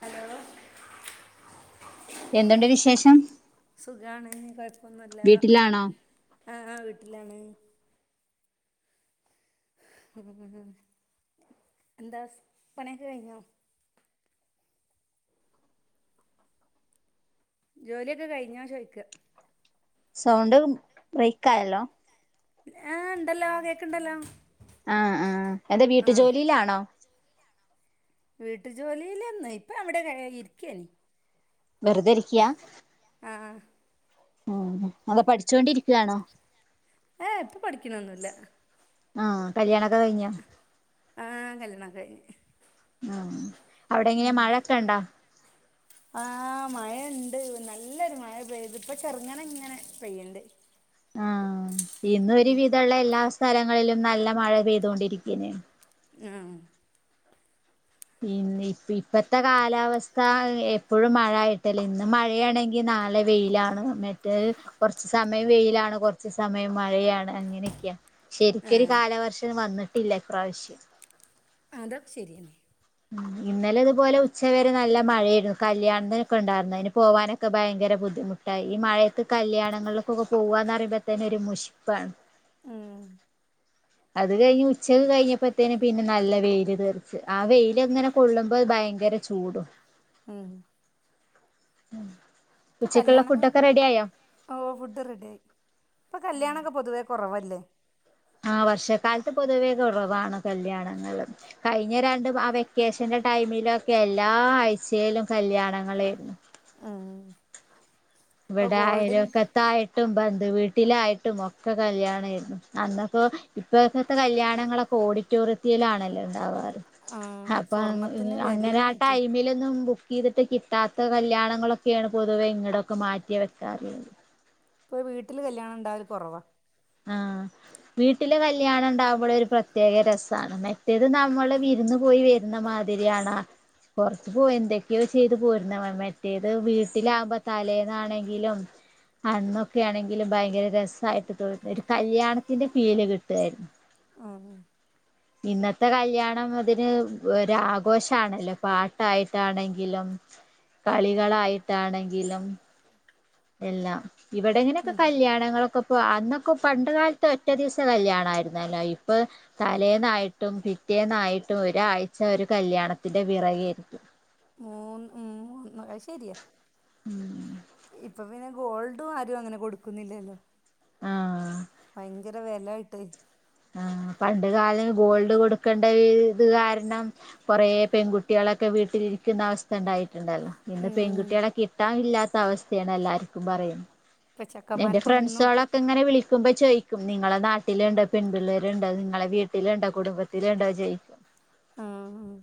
Hello എന്തുണ്ട് വിശേഷം സുഖാണ് കൊഴപ്പൊന്നുല്ല വീട്ടിലാണോ ആഹ് വീട്ടിലാണ് എന്താ സ് പണിയൊക്കെ കഴിഞ്ഞോ ജോലിയൊക്കെ കഴിഞ്ഞോ ചോയ്ക്ക സൗണ്ട് ബ്രേയ്ക്കായല്ലോ ഏഹ് ണ്ടല്ലോ കേക്ക്ണ്ടല്ലോ ആ ആഹ് എന്ത വീട്ടു ആ ജോലിയിലാണോ വീട്ടു ജോലിയിലന്ന് ഇപ്പ അവിടെ ഇര്ക്കേനി വെറുതെരിക്യാ ആഹ് ഉം അന്താ പഠിച്ചോണ്ടിരിക്കുയാണോ ഏ ഇപ്പൊ പഠിക്കണൊന്നുല്ല ആഹ് കല്യാണൊക്കെ കയ്ഞ്ഞൊ ആഹ് കല്യാണക്കെ കഴ്ഞ്ഞ് ഉം അവിടെങ്ങനെ മഴക്കണ്ടാ ആഹ് മഴണ്ട് നല്ലൊരു മഴ പെയ്ത് പ്പ ചെർങ്ങനെങ്ങനെ പെയ്യ്ണ്ട് ആഹ് ഇന്നൊരു ഉം വിധള്ളെല്ലാ സ്ഥലങ്ങളിലും നല്ല മഴ പെയ്തോണ്ടിരിക്യനേ ആഹ് പിന്നെ ഇപ് ഇപ്പത്തെ കാലാവസ്ഥ എപ്പഴും മഴായിട്ടല്ലേ ഇന്ന് മഴയാണെങ് ങ്കി നാളെ വെയിലാണ് മെറ്റത് കൊർച്ച് സമയം വെയിലാണ്, കൊർച്ച് സമയം മഴയാണ്. അങ്ങനെയൊക്കെയാ ആ ശരിക്കൊരു കാലവർഷം വന്നിട്ടില്ല ഇപ്രാവശ്യം അതൊക്കെ ശരിയെന്നെ ഉം ഇന്നലെ ഇതുപോലെ ഉച്ചവരെ നല്ല മഴേയ്രുന്നു. കല്യാണത്തിനൊക്കെണ്ടായിരുന്നു. അയ്ന് പോവാന് ക്കെ ഭയങ്കര ബുദ്ധിമുട്ടായി. ഈ മഴയത്ത് കല്യാണങ്ങളിലക്കൊക്കെ പോകുകന്നറിമ്പത്തന്നെ ഒരു മുഷിപ്പാണ് ആഹ് അത് കഴിഞ്ഞ് ഉച്ചക കഴിഞ്ഞപ്പോത്തേന് പിന്നെ നല്ല വെയില് തീർച്ച് ആ വെയിലങ്ങനെ കൊള്ളുമ്പ ഭയങ്കര ചൂടും ആഹ് പ്പൊ ഉച്ചക്കുള്ള ഫുഡൊക്കെ കല്യാണങ്ങളൊക്കെപ്പൊ റെഡി ആയോ ഓഹ് ഫുഡ്ഡ് റെഡിആയി, പ്പൊ കല്യാണൊക്കെ പൊതുവേ കൊറവല്ലേ ആഹ് വർഷക്കാലത്ത് പൊതുവേ കൊറവാണ് കല്യാണങ്ങള് കഴിഞ്ഞ രണ്ടും ആ വെക്കേഷന്റെ ടൈമിലൊക്കെ എല്ലാ ആഴ്ചയിലും കല്യാണങ്ങളേര്ന്നു ആഹ് വെടയലോക്കത് ത്തായിട്ടും ബന്ധു വീട്ടിലായിട്ടും ഒക്കെ കല്യാണേര്ന്നു, അന്നപ്പോ ഇപ് പ്പോഴക്കത്തെ കല്യാണങ്ങളൊക്കെ ഓഡിറ്റോറിയൽലാണല്ലോ ണ്ടാവർ ആ അപ്പ അങ്ങ് എ സ്വർണത്തിന് അങ്ങനെ ആ വിലയായിട്ട് ടൈമിലൊന്നും ബുക്ക് ക്കെയ്തിട്ട് കിട്ടാത്ത കല്യാണങ്ങളൊക്കെയാണ് പൊതുവെ ഇങ്ങടൊക്കെ മാറ്റി വെക്കാറ്ള്ളത് ഇപ്പൊ വീട്ടില് കല്യാണം ഇണ്ടാവല് കൊറവാ ആഹ് വീട്ടില് കല്യാണം ഇണ്ടാവുമ്പള് ഒരു പ്രത്യേക രസാണ് മറ്റേത് നമ്മള് വിരുന്ന് പോയി വെര് ര്ന്ന മാതിരി ആണാ പൊറത്ത് പോയി എന്തൊക്കെയോ ചെയ്ത് പോര്ണ മറ്റേത് വീട്ടിലാവുമ്പോ തലേന്നാണെങ്കിലും അന്നൊക്കെ ആണെങ്കിലും ഭയങ്കര രസായിട്ട് തോ ഒരു കല്യാണത്തിന്റെ ഫീല് കിട്ടുവായിരുന്നു ആന്ന് ഇന്നത്തെ കല്യാണം അതിന് ഒരാഘോഷാണല്ലോ പാട്ടായിട്ടാണെങ്കിലും കളികളായിട്ടാണെങ്കിലും എല്ലാം ഇവിടെ ഇങ്ങനൊക്കെ ഉം കല്യാണങ്ങൾക്കു പ്പാ കല്യാണങ്ങളൊക്കെ പോ അന്നൊക്കെ പണ്ട് കാലത്ത് ഒറ്റേ ഒറ്റ ദിവസത്തെ ദിവസം കല്യാണ ആയിരുന്നല്ലോ കല്യാണമായിരുന്നല്ലോ. ഇപ്പാ തലേന്നായിട്ടും പിറ്റേന്നായിട്ടും ഒരാഴ്ച ഒരു കല്യാണത്തിന്റെ പിറകെയായിരിക്കും മൂൻ ഉം മൂന്ന് അത് ശരിയാ ഉം ഇപ്പൊ പിന്നെ ഗോൾഡും ആരും അങ്ങനെ കൊടുക്കുന്നില്ലല്ലോ ആഹ് ഭയങ്കര വെലായിട്ടെ ആഹ് പണ്ട് കാലം ഗോൾഡ് കൊടുക്കണ്ട ഈ ഇത് കാരണം കൊറേ പെൺകുട്ട്യാളൊക്കെ വീട്ടിലിരിക്കുന്ന അവസ് സ്ഥ ഇണ്ടായിട്ട്ണ്ടല്ലോ ഇന്ന് ഉം പെൺകുട്ടികളെ കിട്ടാനില്ലാത്ത അവസ്ഥയാണ് എല്ലാര്ക്കും പറയ്ന്നെ ഇപ്പൊ എന്റെ ചെക്കന്മാർക്കൊന്നും ഫ്രണ്ട്സാളൊക്കെ ഇങ്ങനെ വിളിക്കുമ്പോ ചോ നിങ്ങളെ നാട്ടില്ണ്ടാ പെൺ പിള്ളേരുണ്ടോ നിങ്ങളെ വീട്ടില്ണ്ടാ കുടുംബത്തില്ണ്ടോ ചോയി ആഹ് ആഹ്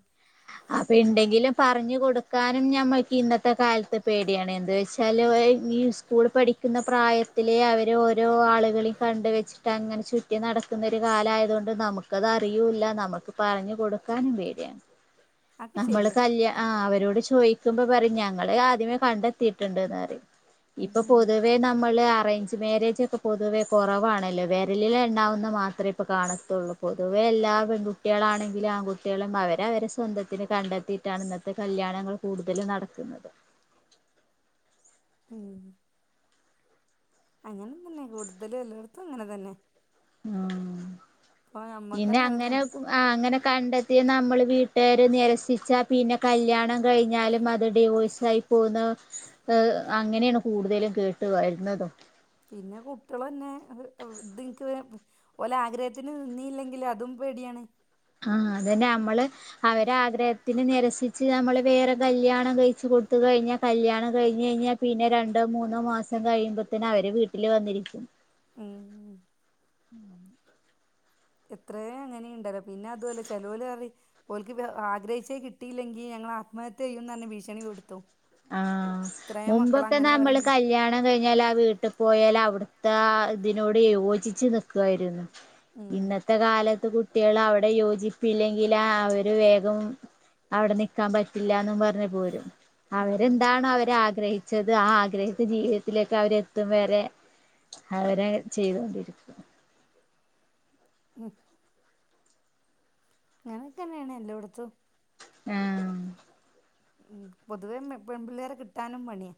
അപ്പൊ ഇണ്ടെങ്കിലും പറഞ്ഞു കൊടുക്കാൻ ഞമ്മൾക്ക് ഇന്നത്തെ കാലത്ത് പേടിയാണ് എന്ത് വെച്ചാലും എ ഈ സ്കൂള് പഠി ക്കുന്ന പ്രായത്തിലെ അവര് ഓ രോ ആളുകളിം കണ്ട് വെച്ചിട്ട് അങ്ങനെ ചുറ്റി നടക്കുന്നൊരു കാലായതുകൊണ്ട് നമുക്കത് അറിയൂല്ലാ നമക്ക് പറഞ്ഞു കൊടുക്കാനും പേടിയാണ് അത് നമ്മള് ശരിയാ കല്യാ ആഹ് അവരോട് ചോയിക്കുമ്പം പറയും ഞങ്ങള് ആദ്യമേ കണ്ടെത്തിയിട്ട്ണ്ട്ന്ന് പറയും ഉം ഇപ്പൊ ഉം പൊതുവേ നമ്മള് അറേഞ്ച് മാരേജ് ഒക്കെ പൊതുവേ കൊറവാണല്ലോ വെരലിലെൺ ണ്ണാവുന്ന മാത്രേ ഇപ്പൊ കാണത്തുള്ളൂ പൊതുവേ എല്ലാ ല്ലാ പെൺകുട്ടികളാണെങ്കിലും ആൺകുട്ടികളും അവര് അവരെ സ്വന്ത ത്തിന് കണ്ടെത്തിയിട്ടാണ് ഇന്നത്തെ കല്യാണങ്ങള് കൂടുതലും നടക്കുന്നത് ഉം അങ്ങനെ തന്നെ കൂടുതലും എല്ലോടത്തും അങ്ങനെ തന്നെ ആഹ് ഇപ്പൊ ഇനി ഞമ്മക്കന്നെ അറിയാം അങ്ങനെ പു ആഹ് അങ്ങനെ കണ്ടെത്തി നമ്മള് വീട്ടുകാര് നെരസിച്ചാ പിന്നെ കല്ല്യാണം കഴിഞ്ഞാലും അത് ഡിവോഴ്സ് സായി പോകുന്ന ഏഹ് അങ്ങനെയാണ് കൂടുതലും കേട്ട് വരുന്നതും പിന്നെ കുട്ട്യെളെന്നെ അവ് ഇത് ഇൻക്ക് വേ ഓലെ ആഗ്രഹത്തിന് നിന്നീല്ലെങ്കില് അതും പേടിയാണ് ആഹ് അതന്നെ നമ്മള് അവരെ ആഗ്രഹത്തിന് നെരസി ച്ച് നമ്മള് വേറെ കല്യാണം കഴിച്ച് കൊടുത്ത് കഴിഞ്ഞാ കല്യാണം കഴിഞ്ഞഴിഞ്ഞാ പിന്നെ രണ്ടോ മൂന്നോ മാസ സം കഴിയുമ്പ തന്നെ അവര് വീട്ടിൽ വന്നിരിക്കും ഉം എത്രേ അങ്ങനെണ്ടല്ലോ പിന്നെ അതുല്ല ചെലോല് പറയും ഓൽക്കിപ്പോ ആഗ്രഹിച്ചേ കിട്ടിയില്ലെങ്കിൽ ഞങ്ങൾ ആത്മഹത്യ ചെയ്യുന്ന് പറഞ്ഞ് ഭീഷണി പെടുത്തും ആഹ് ഇത്രയും മക്കള് മുമ്പൊക്കെ അങ്ങനെ നമ്മള് പറയണ്ട് കല്യാണം കഴിഞ്ഞാൽ ആ വീ ട്ട് പോയാലും അവിടുത്താതിനോട് യോജിച്ച് നിക്കുവായിരുന്നു ഇന്നത്തെ കാലത്ത് കുട്ടികള് അവിടെ യോജിപ്പില്ലെങ്കില് അവര് വേഗം അവിടെ നിക്കാൻ പറ്റില്ലാന്നും പറഞ്ഞ് പോരും ഉം ഉം അവരെന്താണോ അവര് ആഗ്രഹിച്ചത് ആ ആഗ്രഹിച്ച ജീവിതത്തിലേക്ക് അവരെത്തും വരെ അവര് ചെയ്തൊണ്ടിരിക്കും ഉം അങ്ങനൊക്കെന്ന്യാണ് എല്ലോടത്തും ആഹ്‌ ഉം പൊതുവേ പെമ്പിള്ളേരെ കിട്ടാനും പണ്യാ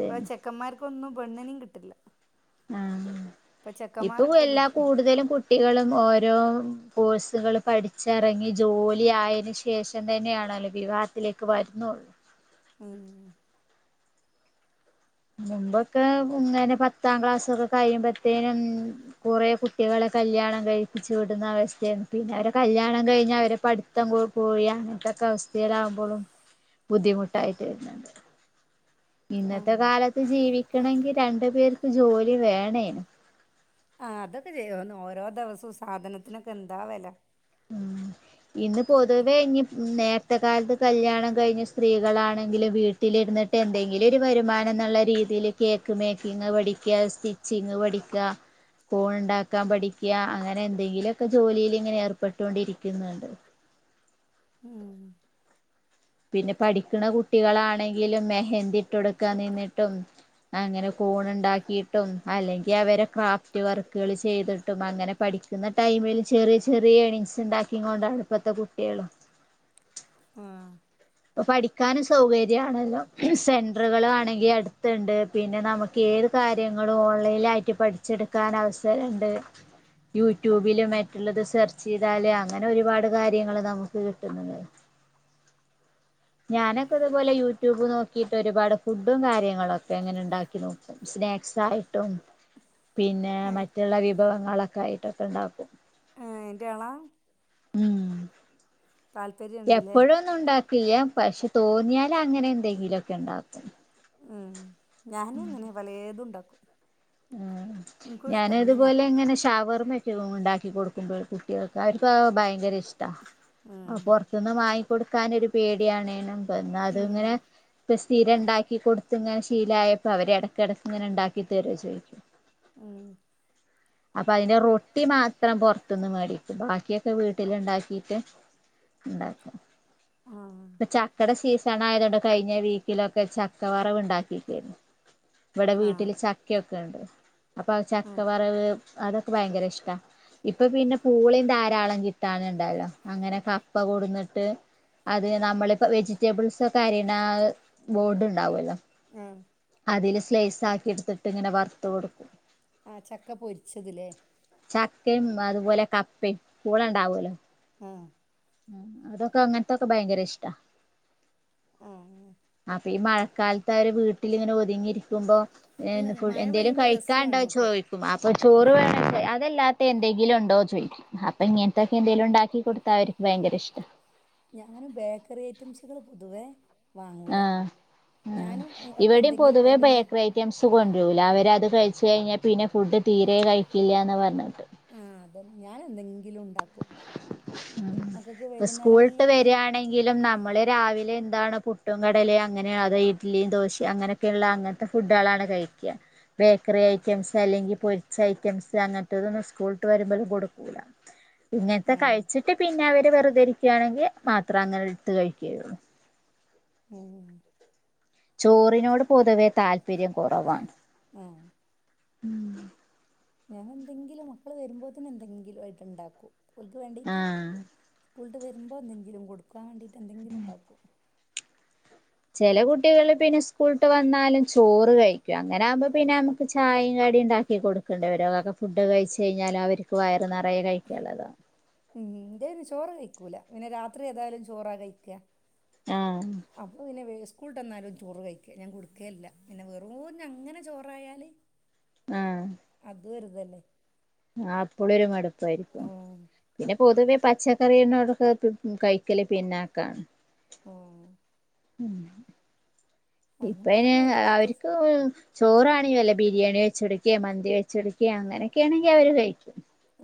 ഇപ്പൊ ചേ ക്കെന്മാർക്കൊന്നും പെണ്ണിനിം കിട്ടില്ല ആഹ് ഇപ്പൊ ഇപ്പു ചെക്കന്മാരൊക്കെ എല്ലാ ബുദ്ധി കൂടുതലും കു കുട്ടികളും ഓരോ കോഴ്സുകള് പഠിച്ചെറങ്ങി ജോലി ആയേന് ശേഷം തന്നെയാണല്ലോ വിവാഹത്തിലേക്ക് വരുന്നുള്ളൂ ഉം വരുന്നത് മുമ്പൊക്കെ ഇങ്ങനെ പത്താം ക്ലാസൊക്കെ കഴിയുമ്പോത്തേനും കുറെ കുട്ടികളെ കല്യാണം കഴിപ്പിച്ച് വിടുന്ന അവസ്ഥയാണ് പിന്നെ അവരെ കല്യാണം കഴിഞ്ഞാൽ അവരെ പഠി ത്തംങ്കോട് പോയ അങ്ങന്നെത്തൊക്കെ അവസ്ഥയിലാവുമ്പോഴും ബുദ്ധിമുട്ടായിട്ട് വരുന്നുണ്ട് ഇന്നത്തെ ആഹ് കാലത്ത് ജീവിക്കണങ്കിൽ രണ്ടു പേർക്ക് ജോലി വേണേനിം ആഹ് അതൊക്കെ ശര്യാണ് ഓരോ ദെവസോം സാധനത്തിനൊക്കെ എന്താ വെല ഉം ഇന്ന് പൊതുവേ ഇഞി നേ ർത്തെ കാലത്ത് കല്യാണം കഴിഞ്ഞ് സ്ത്രീകളാണെങ്കിലും വീട്ടിലിരുന്നിട്ട് എന്തെങ്കിലും ഒരു വരുമാനംന്ന്ള്ള രീതില് കേക്ക് മേക്കിങ് പഠിക്ക സ്റ്റിച്ചിങ് പഠിക്ക കൂൺ ഇണ്ടാക്കാൻ പഠിക്ക അങ്ങനെ എന്തെങ്കിലൊക്കെ ജോലില് ഇങ്ങനെ ഏർപ്പെട്ടോണ്ടിരിക്കുന്നുണ്ട് ഉം പിന്നെ പഠിക്കണ കുട്ടികളാണെങ്കിലും മെഹന്തിട്ടുടു ക്കാൻ നിന്നിട്ടും അങ്ങനെ കൂൺ ഇണ്ടാക്കിട്ടും അല്ലെങ്കിൽ അവരെ ക്രാഫ്റ്റ് വർക്കുകള് ചെയ്തൊ കിട്ടും അങ്ങനെ പഠിക്കുന്ന ടൈമിൽ ചെറിയ ചെറിയ എണിങ്സ് ഉണ്ടാക്കി കൊണ്ട ഇപ്പത്തെ കുട്ടിളും ആഹ് ഇപ്പൊ പഠിക്കാനും സൗകര്യണല്ലോ സെന്ററുകൾ ആണെങ്കിൽ അടു ണ്ട് പിന്നെ നമുക്ക് ഏത് കാര്യങ്ങളും ഓൺലൈനായിട്ട് പഠിച്ചെടുക്കാൻ അവസരുണ്ട് യൂട്യൂബില് മറ്റുള്ളത് സെർച്ച് ചെയ്താല് അങ്ങനെ ഒരുപാട് കാര്യങ്ങള് നമുക്ക് കിട്ടുന്നുണ്ട് ഞാനൊക്കെ ഇതുപോലെ യൂട്യൂബ് നോക്കിയിട്ട് ഒരുപാട് ഫുഡും കാര്യങ്ങളൊക്കെ എങ്ങനെ ഉണ്ടാക്കി നോക്കും സ്നാക്സ് ആയിട്ടും പിന്നെ ആഹ് മറ്റുള്ള വിഭവങ്ങളൊക്കെ ആയിട്ടുംക്കെ ഉണ്ടാക്കും അയിന്റെ ആള ഉം താല്പര്യണ്ട്ല്ലേ എപ്പോഴും ഒന്നും ഉണ്ടാക്ക കില്ല്യാ പക്ഷെ തോന്നിയാല അങ്ങനെ എന്തെങ്കിലുംക്കെ ഉണ്ടാവ ഉം ഞാനും അങ്ങനെ പലേതു ഉണ്ടാക്കും ആഹ് ഇൻക്കും ഇഷ്ടാ പിന്നെ ഞാ ഞാനതുപോലെ ഇങ്ങനെ ഷവർമഒക്കെ ഉണ്ടാക്കി കൊടുക്കുമ്പോൾ കുട്ടികൾക്ക് അവർക്ക് ഭയങ്കര ങ്കരിഷ്ടാ അ ഉം പൊർത്ത്ന്ന് വങ്ങിക്കൊടുക്കാനൊരു പേട്യാണേനും. ഉം എന്നാലുങ്ങനെ ഇപ്പൊ സ്ഥിരണ്ടാക്കി കൊട്ത്ത്ങ്ങനെ ശീലായപ്പോ അവര് എടക്കെടക്ക്ങ്ങനെണ്ടാക്കി തെരോ ചോയ് ഉം അപ്പൊ അയ്ന്റെ റൊട്ടി മാത്രം പൊർത്ത്ന്ന് മേടി പിന്നെ ബാക്ക്യൊക്കെ വീട്ടില്ണ്ടാക്കിട്ട് ഉണ്ടാക്കും. ഉം ഇപ്പൊ ചക്കടെ സീസണായതൊണ്ട് കഴിഞ്ഞ വീക്കിലൊക്കെ ചക്കവറവ് ണ്ടാക്കിക്കേനി ഇവടെ ഇവിടെ വീട്ട്ല് ചക്കക്കെണ്ട് അപ്പൊ ആ ചക്ക ആഹ് വറവ് അതൊക്കെ ഭയങ്കരിഷ്ടാ ഇപ്പൊ പിന്നെ പൂള ധാരാളം കിട്ടാന്ണ്ടായീണ് അങ്ങനെ കപ്പ കൊടന്ന്ട്ട് അത് നമ്മളിപ്പോ വെജിറ്റബിൾ സൊക്കരിണ ആ ബോഡ് ണ്ടാവൊല്ലോ ആഹ് അതില് സ്ലൈസാക്കിട്ത്ത്ട്ട് ങ്ങനെ വറ്ത്ത കൊടുക്കും. ആഹ് ചക്ക പൊരിച്ചത് ലെ ചക്കിം അത്പോലെ കപ്പിം പൂള ണ്ടാവല്ലോ. ഉം ഉം ഉം ഇതൊക്കെ അങ്ങൻത്തൊക്കെ ഭയങ്കരിഷ്ടാ ആഹ് അപ്പൊ ഈ മഴക്കാലത്ത് അവര് വീട്ടിലിങ്ങനെ ഒതുങ്ങിയിരിക്കുമ്പോ അല്ല ഏന് ഫു മഴ എന്തേലും പെയ്യുമ്പോ കഴിക്കാണ്ടോ രസമാണ് ഒക്കെ ചോയ്ക്കും അപ്പൊ ചോറ് ഉം വേണങ്കി അതല്ലാ എന്തെങ്കിലുണ്ടോ ചോയ്ക്കും അപ്പ ഇങ്ങൻത്തെക്കെന്തെലുണ്ടാക്കി കൊട്ത്താ അവര്ക്ക് ഭയങ്കരിഷ്ട. ഞങ്ങളയ്‌ന് ബേക്കറി ഐറ്റംസ്കള് പൊതുവേ വാങ്ങൂല ആഹ് ഉം ഞാനും ഒക്കെ ഇവടിം എന്തെങ്കിലും പൊതുവേ വൈകുന്നേരം ബേക്കറി ഐറ്റംസ് [unintelligible] കൊണ്ട്രൂല അവരത് കഴിച്ച കഴിഞ്ഞാ പിന്നെ ഫുഡ് തീരെ കഴിക്കൂല്ലന്നാ പർഞ്ഞിട്ട് പറയും. ആഹ് അതെൻ ഞാനെന്തെങ്കിലുണ്ടാ ഉം ഇസ്കൂൾട്ട് വൈകുന്നേരങ്ങളിലൊക്കെ വരാണെങ്കിലും നമ്മള് വെരാണെ ങ്കിലും നമ്മള് രാവിലെ എന്താണ് പുട്ടും കടലേം രാവിലെ എന്താണ് പുട്ടും അങ്ങനെ കടലയും അതോ ഇഡ്ലി ദോശ ഇഡ്ലിം ദോശിം അങ്ങനെ ക്കെള്ള അങ്ങനെയൊക്കെയുള്ള അങ്ങൻത്തെ അങ്ങനത്തെ ഫുഡാളാണ് ഫുഡുകളാണ് കഴിക്ക. കഴിക്കുക. ബേക്കറി ഐറ്റംസ് അല്ലെങ്കി പൊരിച്ച ഐറ്റംസ് അങ്ങൻത്തെതൊന്നും സ്കൂൾട്ട് വരുമ്പള് കൊടുക്കൂല. ഇങ്ങൻത്തെ ഉം കഴിച്ചിട്ട് പിന്നെ അവര് വെറ്തെരിക്ക്യാണെങ്കി മാത്ര അങ്ങനെ ട്ത്ത് കഴിക്കൊള്ളൂ. ഉം ചോറിനോട് പൊതുവെ താല്പര്യം കൊറവാണ്. ഉം ഉം ഞാനെന്തെങ്കിലും മക്കള് വരുമ്പോത്തിനെന്തെങ്കിലും ആയിട്ട് ഇണ്ടാക്കും ഓൽക്ക് വേണ്ടീട്ട്. ആഹ് സ്കൂൾട്ട് വെരുമ്പോ എന്തെങ്കിലും കൊടുക്കാൻ വേണ്ടിട്ട് എന്തെങ്കിലുണ്ടാക്കും ചെലെ കുട്ടികള് പിന്നെ സ് കൂൾട്ട് വന്നാലും ചോറ് കഴിക്കും അങ്ങനാവുമ്പോ പിന്നെ അമക്ക് ചായിം കടി ണ്ടാക്കി കൊട് ക്കേണ്ടിവരൊ [unintelligible] ക്കെ ഫുഡൊക്കെ കഴിച്ച് കഴിഞ്ഞാലവര്ക്ക് വയറ് നറയെ കഴിക്ക [unintelligible] ഉം ഇൻ്റെയ്‌ന് ചോറ് കഴിക്കൂല പിന്നെ രാത്രി ഏതായാലും ചോറ കഴിക്ക. ആഹ് അപ്പോൾ പിന്നെ വേ സ്കൂൾട്ടെന്നാലും ചോറ് കഴിക്ക ഞാൻ കൊട്ക്കേല്ല പിന്നെ വെറൂ ഞങ്ങനെ ചോറായാല് ഉ അതോര്തല്ലേ ആഹ് അപ്പളൊരു മട്പ്പായിരിക്കും. ഉം, പിന്നെ പൊതുവേ പച്ചക്കറിയ എണ്ണതൊക്കെ പ് ഉം കഴിക്കല് പിന്നാക്കാണ്. ഉം. ഉം [inaudible] ഇപ്പ അങ്ങനെയൊക്കെ അയിന് തന്നെ എല്ലായിടത്ത് അവർക്ക് ചോറാണെങ്കിൽ അല്ലേ ബിരിയാണി വെച്ചെടുക്കുക, മന്തി വെച്ചെടുക്കുക അങ്ങനെയൊക്കൊണെങ്കിൽ അവര് കഴിക്കും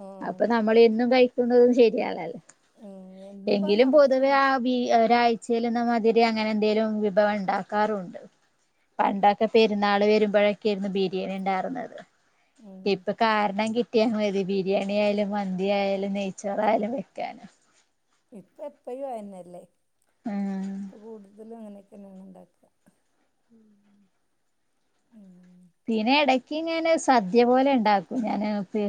ഉം, അപ്പോ നമ്മൾ എന്നും കഴിക്കുന്നതും ശരിയാലല്ലേ. ഉം. എന്നും ഇപ്പം അത് എങ്കിലും പൊതുവെ നടക്കൂല [unintelligible] ഒരായിചെൽ മാതിരി അങ്ങനെന്തേലും വിഭവം ഉണ്ട ഉണ്ടാകാറുണ്ട്. പണ്ടൊക്കെ പെരുന്നാൾ വരുമ്പോഴൊക്കെയായിരുന്നു ബിരിയാണി ഉണ്ടായിരുന്നത്. ഉം. ഇപ്പ കാരണം കിട്ടിയാ മതി ബിരിയാണി ആയാലും, മന്തി ആയാലും, നെയ്ച്ചോറ യാലും, വെക്കാൻ. ഇപ്പ എപ്പോയും അതന്നെല്ലേ. ഉം ഇപ്പോ കൂടുതലും അങ്ങനെയൊക്കെന്നെയാണ് ഉണ്ടാക്കുക. ഉം [inaudible] ഉം. പിന്നെ ഇടക്ക് ഇങ്ങനെ സദ്യ പോലെ ഉണ്ടാക്കും. ഞാൻ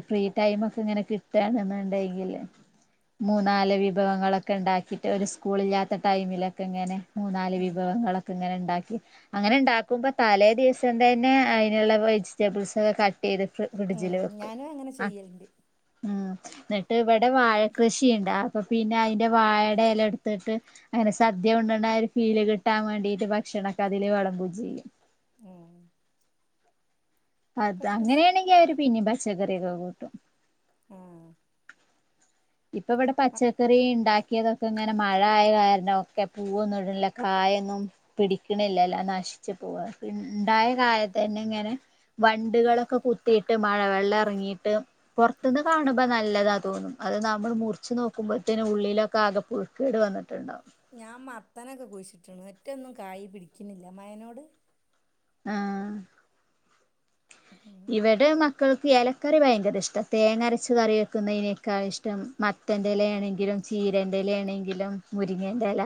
ഫ്രീ ടൈം ഒക്കെ ഇങ്ങനെ കിട്ട കിട്ടണന്ന ഉണ്ടങ്കില്. മൂന്നാല് വിഭവങ്ങളൊക്കെ ഉണ്ടാക്കിട്ട് ഒരു സ്കൂൾ ഇല്ലാത്ത ടൈമിലൊക്കെ ഇങ്ങനെ മൂന്നാല് ഉം. വിഭവങ്ങളൊക്കെ ഇങ്ങനെ ഉണ്ടാക്കി അങ്ങനെ ഇണ്ടാക്കുമ്പോ തലേ ദിവസം തന്നെ അ ആയിനുള്ള വെജിറ്റബിൾസ് ഒക്കെ ക ഏത്ക്ക്. ഉം. ഞാനും അങ്ങനെ ചെയ്യലണ്ട്. ഉം. എന്നിട്ട് ഇവിടെ വാഴ കൃഷിയുണ്ട്. അപ്പോ പിന്നെ അതിന്റെ വാഴയുടെ ഇല എടുത്തിട്ട് അങ്ങനെ സദ്യ ഉണ്ടണ് ഒരു ഫീല് കിട്ടാൻ വേണ്ടിട്ട് ഭക്ഷണക്കെ അതിൽ വളംമ്പൂ ചെയ്യും. ഉം. ഒക്കെ അത, ഒരു രസം അങ്ങനെയാണെങ്കിൽ അവര് പിന്നെ പച്ചക്കറിയൊക്കെ കൂട്ടും. ഉം. ഇപ്പ ഇവിടെ പച്ചക്കറി ഉണ്ടാക്കി പക്കിയതൊക്കെ ഇങ്ങനെ മഴയ കാരണം ഒക്കെ പൂവൊന്നും ഇടിണില്ല. കായ ഒന്നും പിടിക്കണില്ലല്ലോ നാശിച്ചു പോവ. ഇണ്ടായ കാലത്ത് തന്നെ ഇങ്ങനെ വണ്ടുകളൊക്കെ കുത്തിയിട്ട് മഴ വെള്ളം ഇറങ്ങിട്ട് പുറത്തുന്ന് കാണുമ്പോ നല്ലതാ തോന്നും. അത് നമ്മൾ മുറിച്ചു നോക്കുമ്പോഴത്തേനും ഉള്ളിലൊക്കെ ആകെ പുഴു കേട് വന്നിട്ടുണ്ടാവും. ഞാൻ മത്തനൊക്കെ കുഴിച്ചിട്ട് ണ്. ഒറ്റൊന്നും കയി പിടിക്കുന്നില്ല. മഴ നോട് ആ. ഉം മക്കൾക്ക് ഇലക്കറി ഭയങ്കര ഇഷ്ട തേങ്ങരച്ച കറി വെക്കുന്നതിനക്കാ ഇഷ്ടം മ മത്തന്റെല ആണെങ്കിലും ലും ചീരന്റെ ഇലയാണെങ്കിലും, മുരിങ്ങേന്റെ ഇല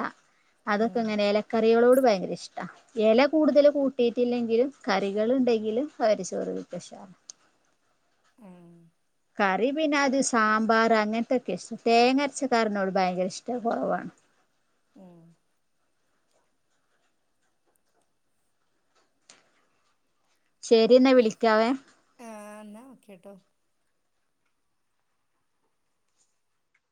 അതൊക്കെ ഉം ഇങ്ങനെ ഇല കറികളോട് ഭയങ്കര ഇഷ്ട. ഇല കൂടുതൽ കൂട്ടിയിട്ടില്ലെങ്കിലും കറികൾ ഉണ്ടെങ്കിലും അവര് ചോറ് വിക്കഷാണ്. [unintelligible] ആ. കറി പിന്നെ അത് സാമ്പാർ അങ്ങനത്തൊക്കെ ഇഷ്ടം. തേങ്ങരച്ച കറി നോട് ഭയങ്കര ഇഷ്ടം കുറവാണ്. ഉം. ശരി, ന്നാ വിളിക്കാവേ. എന്നാ, ഓക്കെട്ടോ.